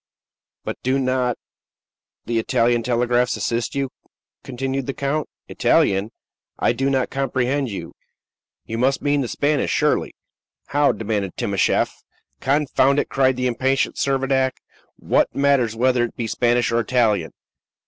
"But do not the Italian telegraphs assist you?" continued the count. "Italian! I do not comprehend you. You must mean the Spanish, surely." "How?" demanded Timascheff. "Confound it!" cried the impatient Servadac. "What matters whether it be Spanish or Italian?